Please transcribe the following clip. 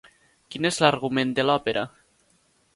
Quin és l'argument de l'òpera?